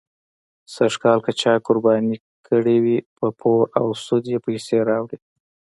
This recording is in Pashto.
سږکال که چا قرباني کړې وي، په پور او سود یې پیسې راوړې.